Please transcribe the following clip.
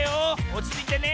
おちついてね